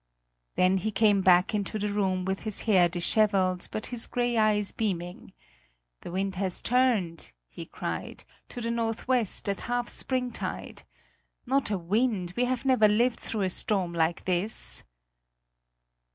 Then he came back into the room with his hair dishevelled, but his gray eyes beaming. "The wind has turned!" he cried, "to the northwest; at half spring tide! Not a wind we have never lived through a storm like this!"